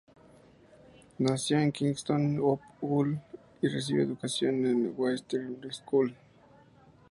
Nació en Kingston-upon-Hull y recibió educación en el Westminster School.